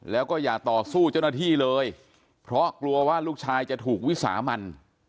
แล้วก็อย่าต่อสู้เจ้าหน้าที่เลยเพราะกลัวว่าลูกชายจะถูกวิสามัน